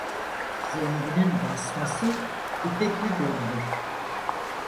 Zenginin basması ipekli görünür.